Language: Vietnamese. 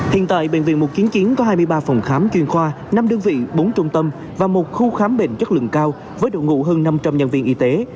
hiện tại bệnh viện một trăm chín có hai mươi ba phòng khám chuyên khoa năm đơn vị bốn trung tâm và một khu khám bệnh chất lượng cao với đội ngũ hơn năm trăm linh nhân viên y tế